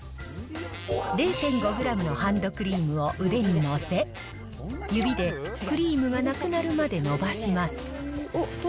０．５グラムのハンドクリームを腕に乗せ、指でクリームがなくなるまで伸ばします。